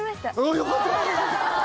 あよかった。